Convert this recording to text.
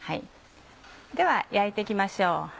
では焼いて行きましょう。